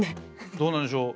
どうなんでしょう。